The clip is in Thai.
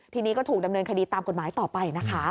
ทีนี้ก็ถูกดำเนินคดีตามกฎหมายต่อไปนะคะ